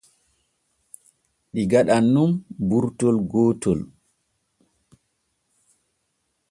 Ɗi gaɗan nun burtol gootol.